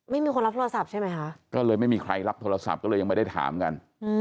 ไม่มีคนรับโทรศัพท์ใช่ไหมคะก็เลยไม่มีใครรับโทรศัพท์ก็เลยยังไม่ได้ถามกัน